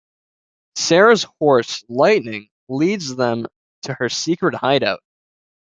Sarah's horse, Lightning, leads them to her secret hideout.